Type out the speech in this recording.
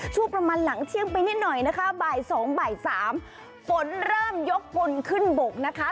ช่วงประมาณหลังเที่ยงไปนิดหน่อยนะคะบ่ายสองบ่ายสามฝนเริ่มยกปนขึ้นบกนะคะ